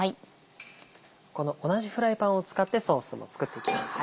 この同じフライパンを使ってソースも作っていきます。